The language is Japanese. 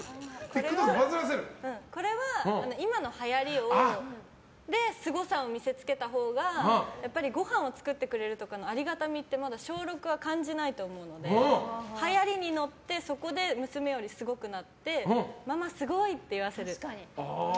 これは、今のはやりですごさを見せつけたほうがやっぱりごはんを作ってくれるとかのありがたみってまだ小６は感じないと思うのではやりに乗ってそこで娘よりすごくなってママ、すごい！って言わせる。